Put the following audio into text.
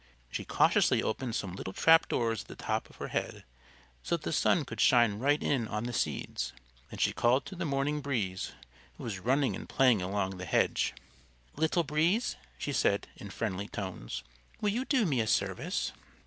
She cautiously opened some little trap doors at the top of her head, so that the sun could shine right in on the seeds. Then she called to the Morning Breeze, who was running and playing along the hedge. "Little Breeze," she said, in friendly tones, "will you do me a service?"